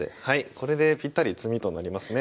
これでぴったり詰みとなりますね。